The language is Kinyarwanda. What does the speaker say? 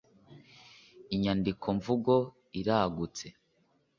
inyandikomvugo iragutse.